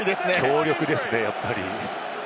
強力ですね、やっぱり。